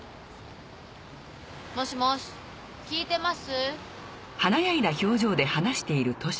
もしもし聞いてます？